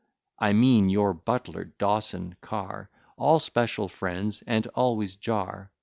I mean your butler, Dawson, Car, All special friends, and always jar.